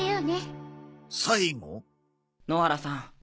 野原さん。